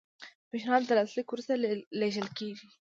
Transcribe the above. پیشنهاد د لاسلیک وروسته لیږل کیږي.